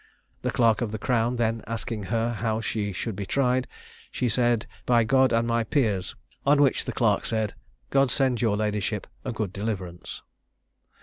The clerk of the crown then asking her how she would be tried, she said, "By God and my peers;" on which the clerk said, "God send your ladyship a good deliverance."